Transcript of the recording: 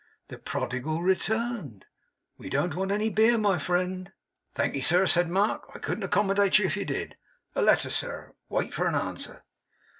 The Prodigal returned! We don't want any beer, my friend.' 'Thankee, sir,' said Mark. 'I couldn't accommodate you if you did. A letter, sir. Wait for an answer.